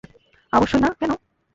আবশ্যই না, কেনো?